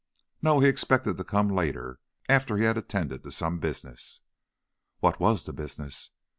"No; he expected to come later, after he had attended to some business." "What was the business?"